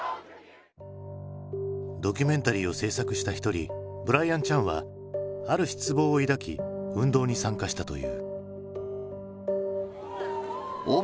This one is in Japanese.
ドキュメンタリーを制作した一人ブライアン・チャンはある失望を抱き運動に参加したという。